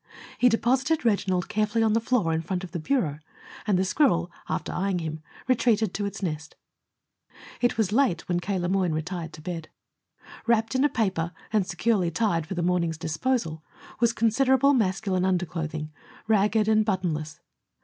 He deposited Reginald carefully on the floor in front of the bureau, and the squirrel, after eyeing him, retreated to its nest. It was late when K. Le Moyne retired to bed. Wrapped in a paper and securely tied for the morning's disposal, was considerable masculine underclothing, ragged and buttonless.